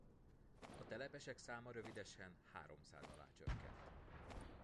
A telepesek száma rövidesen háromszáz alá csökkent.